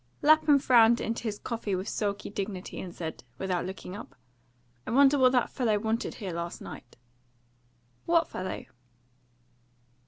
Lapham frowned into his coffee with sulky dignity, and said, without looking up, "I wonder what that fellow wanted here last night?" "What fellow?"